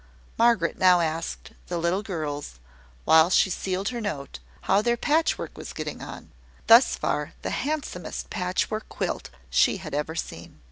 Margaret now asked the little girls, while she sealed her note, how their patchwork was getting on thus far the handsomest patchwork quilt she had ever seen.